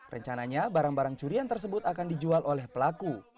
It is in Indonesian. rencananya barang barang curian tersebut akan dijual oleh pelaku